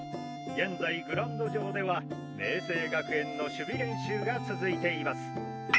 現在グラウンド上では明青学園の守備練習が続いています。